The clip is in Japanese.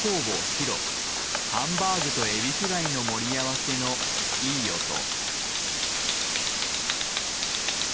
ヒロ、ハンバーグとエビフライの盛り合わせのいい音。